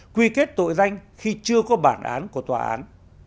quy kết tội danh khi chưa có bản án của tòa án